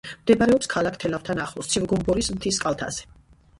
მდებარეობს ქალაქ თელავთან ახლოს, ცივგომბორის მთის კალთაზე.